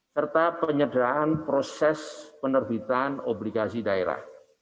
serta penyederaan proses penerbitan obligasi daerah